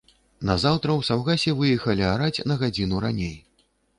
Назаўтра ў саўгасе выехалі араць на гадзіну раней.